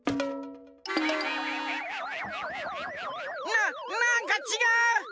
ななんかちがう。